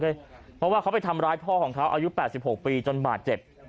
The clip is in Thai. เพราะว่าเขาไปทำร้ายพ่อของเขาอายุ๘๖ปีจนบาดเจ็บ